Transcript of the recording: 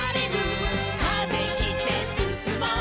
「風切ってすすもう」